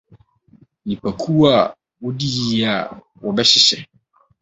Nnipakuw a Wodi Yiye a Wɔbɛhyehyɛ